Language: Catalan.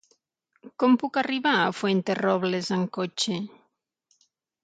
Com puc arribar a Fuenterrobles amb cotxe?